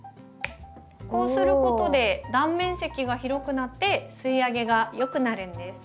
こうすることで断面積が広くなって吸いあげがよくなるんです。